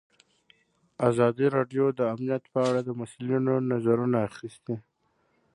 ازادي راډیو د امنیت په اړه د مسؤلینو نظرونه اخیستي.